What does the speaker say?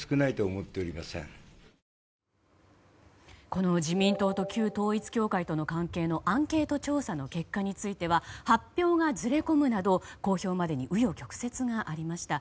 この自民党と旧統一教会との関係のアンケート調査の結果については発表が遅れるなど公表までに紆余曲折がありました。